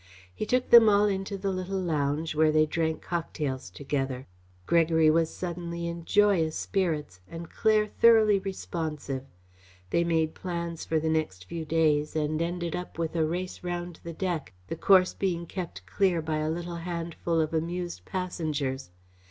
He took them all into the little lounge where they drank cocktails together. Gregory was suddenly in joyous spirits, and Claire thoroughly responsive. They made plans for the next few days and ended up with a race round the deck, the course being kept clear by a little handful of amused passengers.